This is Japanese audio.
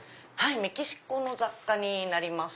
メキシコの雑貨になります。